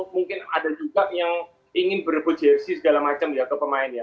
mungkin ada juga yang ingin berebut jersi segala macam ya ke pemain ya